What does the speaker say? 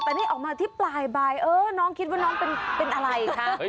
แต่นี่ออกมาที่ปลายบายเออน้องคิดว่าน้องเป็นอะไรคะ